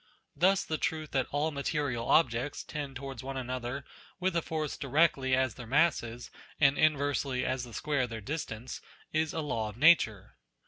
Thus, the truth that all material objects tend towards one another with a force directly as their masses and inversely as the square of their distance, is a law of Nature.